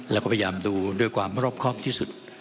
แล้วก็พยายามดูด้วยความรอบครอบที่สุด